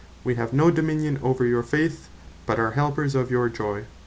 "Wee have no Dominion over your Faith, but are Helpers of your Joy."